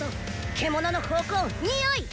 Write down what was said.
獣の咆哮におい！